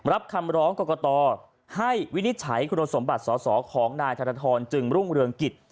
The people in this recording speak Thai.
รับคำร้องกรกตให้วินิจฉัยคุณสมบัติสอสอของนายธนทรจึงรุ่งเรืองกิจ